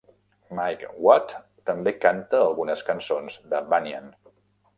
Mike Watt també canta algunes cançons de Banyan.